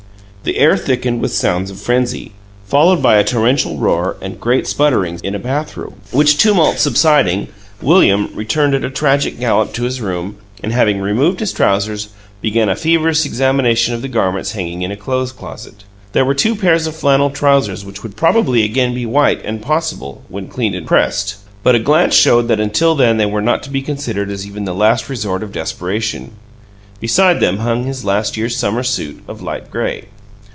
The air thickened with sounds of frenzy, followed by a torrential roar and great sputterings in a bath room, which tumult subsiding, William returned at a tragic gallop to his room and, having removed his trousers, began a feverish examination of the garments hanging in a clothes closet. There were two pairs of flannel trousers which would probably again be white and possible, when cleaned and pressed, but a glance showed that until then they were not to be considered as even the last resort of desperation. Beside them hung his "last year's summer suit" of light gray.